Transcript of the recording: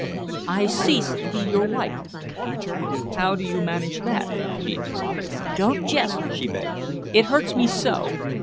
"I cease to be your wife." "How do you manage that?" he asked. "Don't jest," she begged. "It hurts me so.